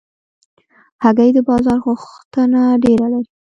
هګۍ د بازار غوښتنه ډېره لري.